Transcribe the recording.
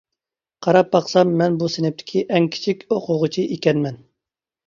قاراپ باقسام مەن بۇ سىنىپتىكى ئەڭ كىچىك ئوقۇغۇچى ئىكەنمەن.